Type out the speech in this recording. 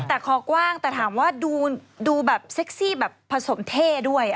แต่คอกว้างแต่ถามว่าดูแบบเซ็กซี่แบบผสมเท่ด้วย